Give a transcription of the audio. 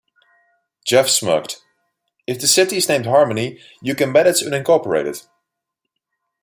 Jeff smirked. "If the city's named 'Harmony', you can bet it's unincorporated".